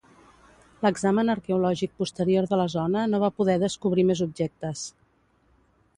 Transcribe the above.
L'examen arqueològic posterior de la zona no va poder descobrir més objectes.